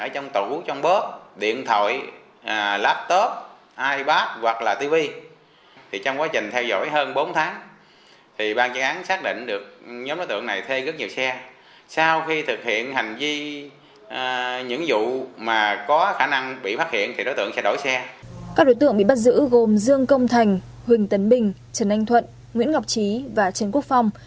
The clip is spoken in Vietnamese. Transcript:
các đối tượng bị bắt giữ gồm dương công thành huỳnh tấn bình trần anh thuận nguyễn ngọc trí và trần quốc phong